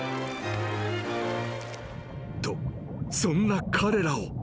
そんな彼らを］